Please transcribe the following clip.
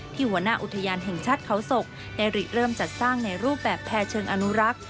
หัวหน้าอุทยานแห่งชาติเขาศกได้ริเริ่มจัดสร้างในรูปแบบแพร่เชิงอนุรักษ์